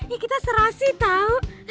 ya kita serasi tau